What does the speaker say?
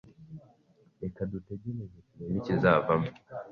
reka dutegereze turebe ikizavamo